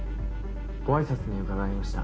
ご挨拶に伺いました。